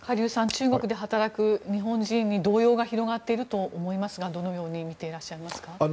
中国で働く日本人に動揺が広がっていると思いますがどのようにみていらっしゃいますか？